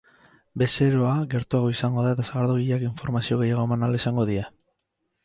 Bezeroa gertuago izango da eta sagardogileak informazio gehiago eman ahal izango die.